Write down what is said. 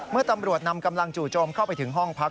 เมื่อตำรวจนำกำลังจู่โจมเข้าไปถึงห้องพัก